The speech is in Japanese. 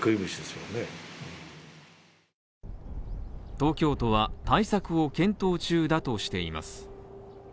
東京都は対策を検討中だとしています